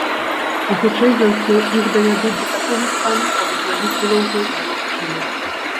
І хутчэй за ўсё іх давядуць да такога стану, каб узнавіць было ўжо немагчыма.